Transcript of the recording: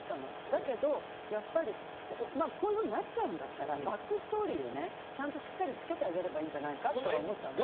だけど、こういうふうになっちゃうならバックストーリーをちゃんと、しっかり付けてあげればいいんじゃないかと思ったの。